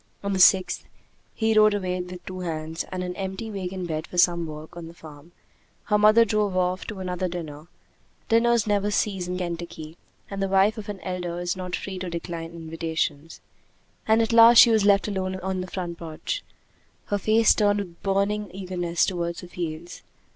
On the sixth, he rode away with two hands and an empty wagon bed for some work on the farm; her mother drove off to another dinner dinners never cease in Kentucky, and the wife of an elder is not free to decline invitations; and at last she was left alone in the front porch, her face turned with burning eagerness toward the fields.